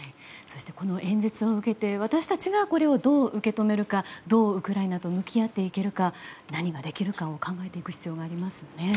そして、この演説を受けて私たちがこれをどう受け止めるかどうウクライナと向き合っていけるか何ができるかを考えていく必要がありますね。